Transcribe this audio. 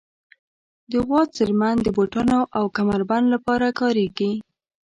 د غوا څرمن د بوټانو او کمر بند لپاره کارېږي.